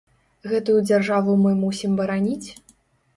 Гэтую дзяржаву мы мусім бараніць?